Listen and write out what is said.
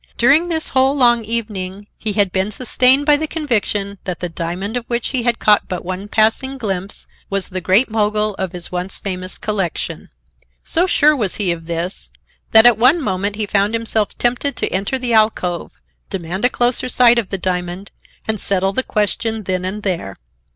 During this whole long evening, he had been sustained by the conviction that the diamond of which he had caught but one passing glimpse was the Great Mogul of his once famous collection. So sure was he of this, that at one moment he found himself tempted to enter the alcove, demand a closer sight of the diamond and settle the question then and there.